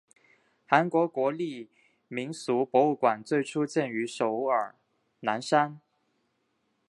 韩国国立民俗博物馆最初建于首尔南山。